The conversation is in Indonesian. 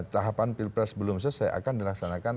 tahapan pilpres belum selesai akan dilaksanakan